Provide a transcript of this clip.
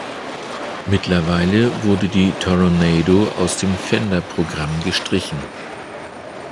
Mittlerweile wurde die Toronado aus dem Fender-Programm gestrichen.